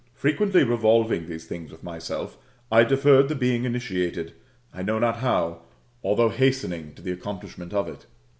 Fre quently revolving these things with myself, I deferred the being initiated, I know not how, although hastening to the accom plishment of it.